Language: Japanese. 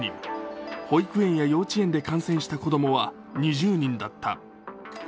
保育園や幼稚園で感染した子供は２０人だった。